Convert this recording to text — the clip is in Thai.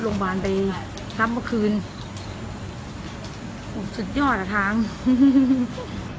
รถโรงบาลไปรับเมื่อคืนสุดยอดแบบนี้แล้วแบบนี้